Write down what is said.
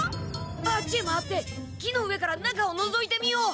あっちへ回って木の上から中をのぞいてみよう！